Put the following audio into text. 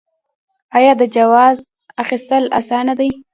آیا د جواز اخیستل اسانه دي؟